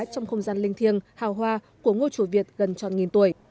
trong không gian linh thiêng hào hoa của ngôi chùa việt gần tròn nghìn tuổi